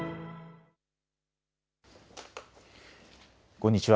こんにちは。